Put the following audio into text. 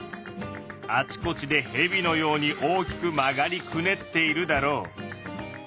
あちこちでヘビのように大きく曲がりくねっているだろう。